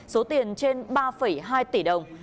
số tiền trên ba hai tỷ đồng